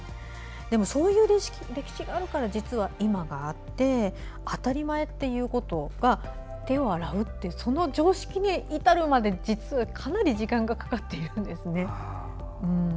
そういう歴史があるから実は今があって当たり前の手を洗うっていうその常識に至るまで実は、かなり時間がかかっているんですね。